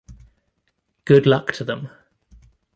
Good luck to them.